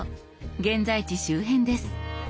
現在地周辺です。